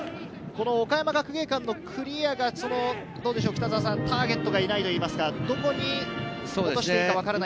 岡山学芸館のクリアが、ターゲットがいないといいますか、どこに落としていいか分からない。